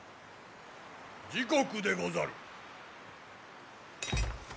・時刻でござる。